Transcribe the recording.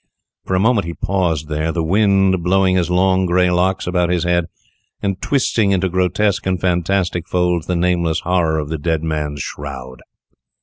For a moment he paused there, the wind blowing his long grey locks about his head, and twisting into grotesque and fantastic folds the nameless horror of the dead man's shroud.